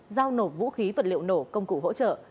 giao nộp vũ khí vật liệu nổ công cụ hỗ trợ